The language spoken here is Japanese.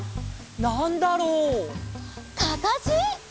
「なんだろう」「かかし！」